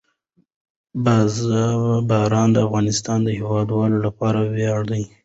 باران د افغانستان د هیوادوالو لپاره ویاړ دی.